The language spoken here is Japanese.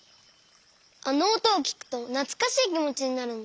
あのおとをきくとなつかしいきもちになるんだ。